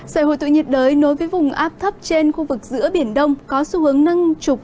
sở hồi tụ nhiệt đới nối với vùng áp thấp trên khu vực giữa biển đông